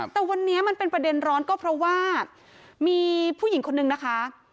แต่วันนี้มันเป็นประเด็นร้อนก็เพราะว่ามีผู้หญิงคนนึงนะคะ